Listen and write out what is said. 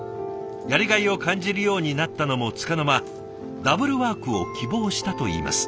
やりがいを感じるようになったのもつかの間ダブルワークを希望したといいます。